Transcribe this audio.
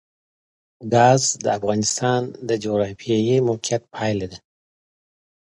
ګاز د افغانستان د جغرافیایي موقیعت پایله ده.